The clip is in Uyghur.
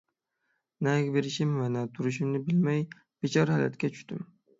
نەگە بېرىشىم ۋە نەدە تۇرۇشۇمنى بىلمەي بىچارە ھالەتكە چۈشتۈم.